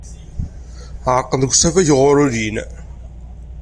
Ɛerqen deg usafag wuɣur ulin.